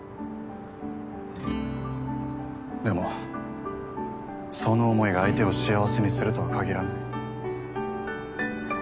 でもその思いが相手を幸せにするとは限らない。